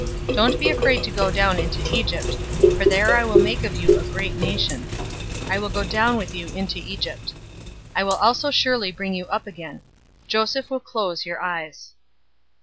Don't be afraid to go down into Egypt, for there I will make of you a great nation. 046:004 I will go down with you into Egypt. I will also surely bring you up again. Joseph will close your eyes."